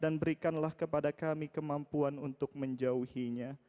dan berikanlah kepada kami kemampuan untuk menjauhinya